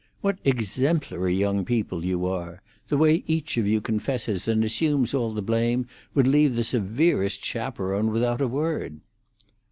What exemplary young people you are! The way each of you confesses and assumes all the blame would leave the severest chaperone without a word."